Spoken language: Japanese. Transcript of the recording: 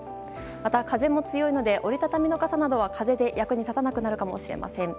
また風も強いので折り畳みの傘などは風で役に立たなくなるかもしれません。